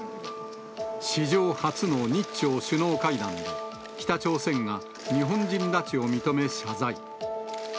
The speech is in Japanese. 史上初の日朝首脳会談で、北朝鮮が日本人拉致を認め謝罪。